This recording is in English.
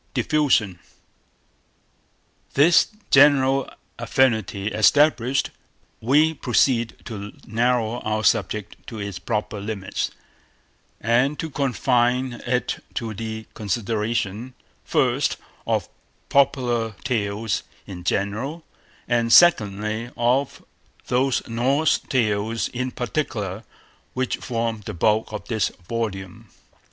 DIFFUSION This general affinity established, we proceed to narrow our subject to its proper limits, and to confine it to the consideration, first, of Popular Tales in general, and secondly, of those Norse Tales in particular, which form the bulk of this volume.